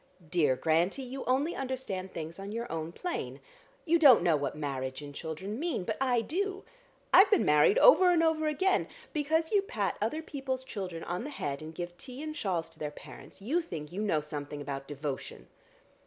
"Dear Grantie, you only understand things on your own plane. You don't know what marriage and children mean. But I do; I've been married over and over again. Because you pat other people's children on the head, and give tea and shawls to their parents, you think you know something about devotion."